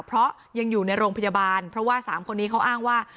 เพราะยังอยู่ในโรงพยาบาลเพราะว่า๓คนนี้เขาอ้างว่า